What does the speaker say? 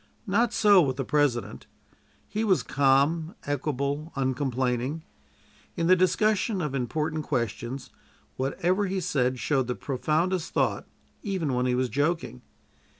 Not so with the President. He was calm, equable, uncomplaining. In the discussion of important questions, whatever he said showed the profoundest thought, even when he was joking.